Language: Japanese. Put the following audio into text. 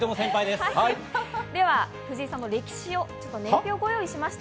藤井さんの歴史の年表をご用意しました。